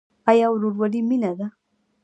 آیا ورورولي مینه ده؟